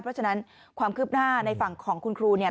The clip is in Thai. เพราะฉะนั้นความคืบหน้าในฝั่งของคุณครูเนี่ย